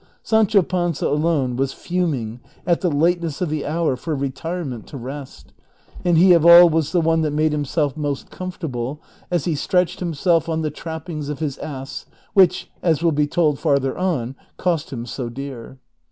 Sancho Panza alone was fuming at the lateness of the hour for retirement to rest ; and he of all Avas the one that made himself most comfortable, as he stretched himself on the trappings of his ass, which, as will be told farther on, cost him so dear.